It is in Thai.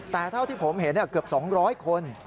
แต่เท่าที่ผมเห็นเกือบ๒๐๐คน